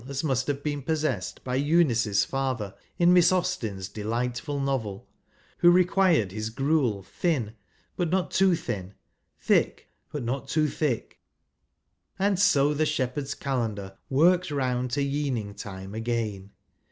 as must h.ave been possessed by Eunice's father in Miss Austen's delightful novel, who required his gruel "thin, but not too thin — thick, but not too thick." And so the Shepherd's Calendar works round to 3'eaning time again